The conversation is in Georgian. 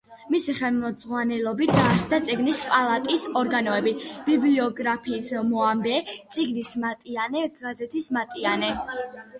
მისი ხელმძღვანელობით დაარსდა წიგნის პალატის ორგანოები: „ბიბლიოგრაფიის მოამბე“, „წიგნის მატიანე“, „გაზეთის მატიანე“.